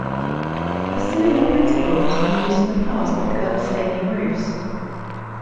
A similar principle has been used in the past with curved stadium roofs.